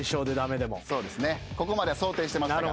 ここまでは想定してましたから。